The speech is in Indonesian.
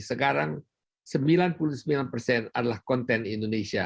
sekarang sembilan puluh sembilan persen adalah konten indonesia